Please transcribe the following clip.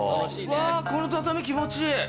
うわこの畳気持ちいい。